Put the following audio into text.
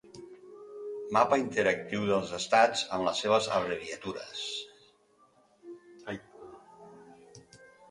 Mapa interactiu dels estats amb les seves abreviatures.